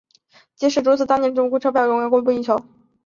即使如此当时车票仍供不应求。